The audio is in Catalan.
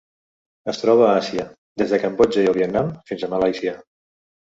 Es troba a Àsia: des de Cambodja i el Vietnam fins a Malàisia.